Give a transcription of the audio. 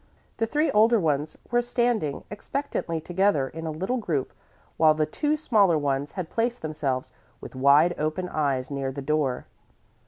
The three older ones were standing expectantly together in a little group, while the two smaller ones had placed themselves with wide open eyes near the door.